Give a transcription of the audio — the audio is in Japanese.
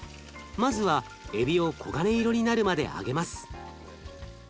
まずはえびを黄金色になるまで揚げます。